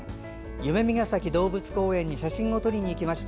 夢見ヶ崎動物公園に写真を撮りに行きました。